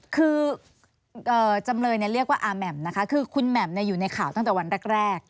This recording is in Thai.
คือจำเลยเรียกว่าอาแหม่มนะคะคือคุณแหม่มอยู่ในข่าวตั้งแต่วันแรก